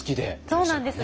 そうなんです